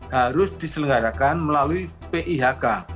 harus diselenggarakan melalui pihk